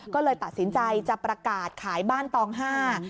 ก็เลยตัดสินใจจะประกาศขายบ้านตองห้า